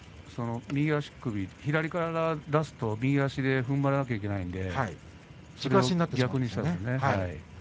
右足首、左から出すと右でふんばらないといけないので逆にしたんですね。